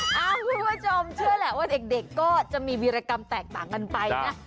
คุณผู้ชมเชื่อแหละว่าเด็กก็จะมีวีรกรรมแตกต่างกันไปนะ